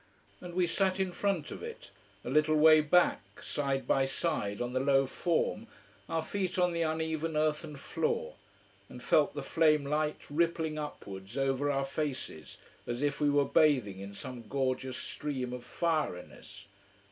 And we sat in front of it, a little way back, side by side on the low form, our feet on the uneven earthen floor, and felt the flame light rippling upwards over our faces, as if we were bathing in some gorgeous stream of fieriness.